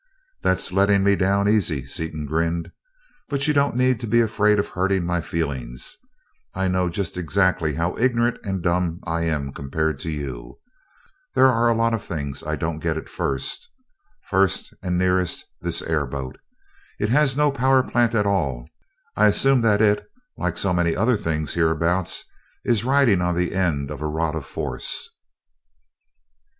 "That's letting me down easy," Seaton grinned, "but you don't need to be afraid of hurting my feelings I know just exactly how ignorant and dumb I am compared to you. There's a lot of things I don't get at all. First, and nearest, this airboat. It has no power plant at all. I assume that it, like so many other things hereabouts, is riding on the end of a rod of force?"